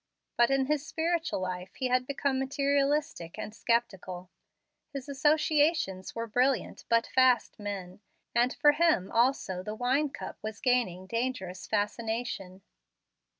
But in his spiritual life he had become materialistic and sceptical. His associates were brilliant, but fast men; and for him also the wine cup was gaining dangerous fascination.